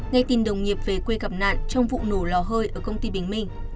ngay tin đồng nghiệp về quê gặp nạn trong vụ nổ lò hơi ở công ty bình minh